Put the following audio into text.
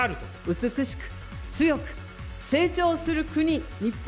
美しく強く成長する国、日本。